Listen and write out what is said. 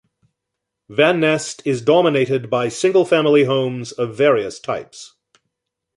Van Nest is dominated by single family homes of various types.